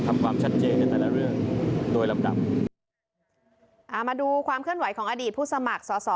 มาดูความเคลื่อนไหวของอดีตผู้สมัครสอสอ